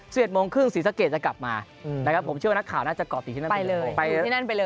สเกจก็จะกลับมาผมเชื่อว่านักข่าวน่าจะกรอดติดที่นั้นไปเลย